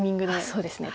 そうですね。